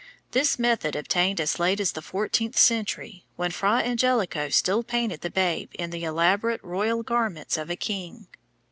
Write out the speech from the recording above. This method obtained as late as the fourteenth century, when Fra Angelico still painted the Babe in the elaborate royal garments of a king.